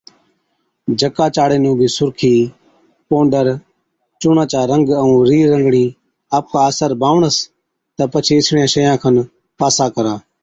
جڪا چاڙي نُون بِي سُرخِي، پونڊر، چُونڻان چا رنگ ائُون رِيهرنگڻِي آپڪا اثر بانوَڻس تہ پڇي اِسڙِيان شئِيان کن پاسا ڪرا۔